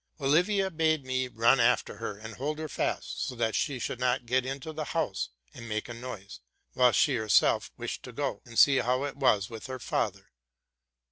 Olivia bade me run after her and hold her fast, so that she should not get into the house and make a noise; while she herself wished to go and see how it was with her father.